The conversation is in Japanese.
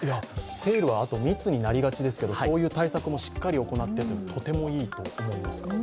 セールは密になりがちですけどそういう対策もしっかり行ってと、とてもいいと思います。